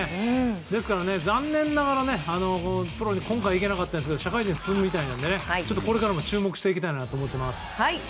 ですから、残念ながらプロに今回行けなかったですが社会人進むみたいなのでこれからも注目していきたいなと思っています。